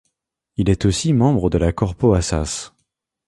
Il est aussi membre de la Corpo Assas.